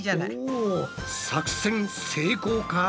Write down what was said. お作戦成功か？